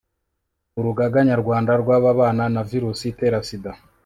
urugaga nyarwanda rw'ababana na virusi itera sida